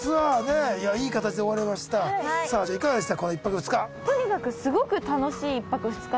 いかがでしたか？